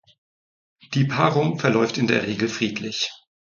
Die Paarung verläuft in der Regel friedlich.